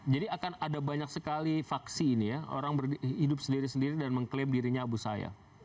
jadi akan ada banyak sekali faksi ini ya orang hidup sendiri sendiri dan mengklaim dirinya abu sayyaf